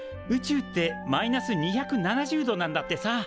宇宙ってマイナス２７０度なんだってさ。